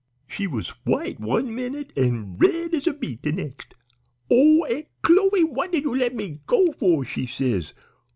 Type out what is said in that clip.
"She was white one minute an' red as a beet the nex'. 'Oh, Aunt Chloe, what did you let me go for?' she says.